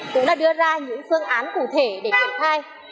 cũng đã đưa ra những phương án cụ thể để kiểm tra